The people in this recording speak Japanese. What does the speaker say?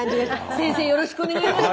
先生よろしくお願いいたします。